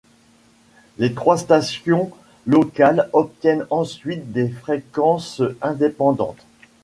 Les trois stations locales obtiennent ensuite des fréquences indépendantes.